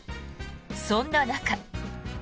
そんな中。